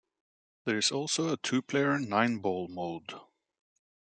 There is also a two-player nine-ball mode.